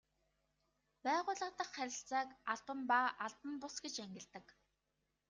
Байгууллага дахь харилцааг албан ба албан бус гэж ангилдаг.